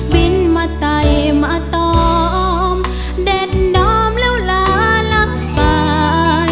บินมาไตยมะตอมเด็ดนลองแล้วลาลักไป